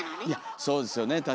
いやそうですよね